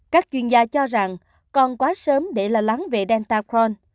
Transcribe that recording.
các chuyên gia cho rằng còn quá sớm để lo lắng về delta cron